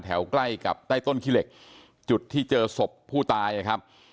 ใกล้กับใต้ต้นขี้เหล็กจุดที่เจอศพผู้ตายนะครับ